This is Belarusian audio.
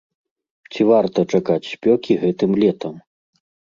Ці варта чакаць спёкі гэтым летам?